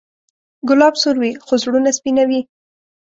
ګلاب سور وي، خو زړونه سپینوي.